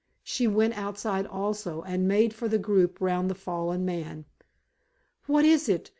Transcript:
She went outside also and made for the group round the fallen man. "What is it?